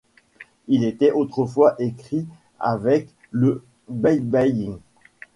Il était autrefois écrit avec le baybayin.